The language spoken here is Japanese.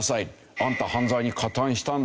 あんた犯罪に加担したんだろ」